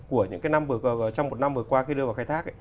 trong một năm vừa qua khi đưa vào khai thác